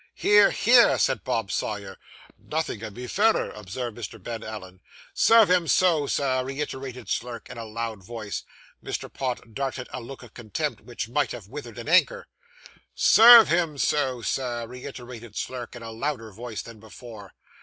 'Hear! hear!' said Bob Sawyer. 'Nothing can be fairer,' observed Mr. Ben Allen. 'Serve him so, sir!' reiterated Slurk, in a loud voice. Mr. Pott darted a look of contempt, which might have withered an anchor. 'Serve him so, sir!' reiterated Slurk, in a louder voice than before.